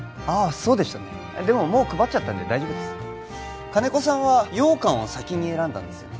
そうでしたねでももう配っちゃったんで大丈夫です金子さんは羊羹を先に選んだんですよね？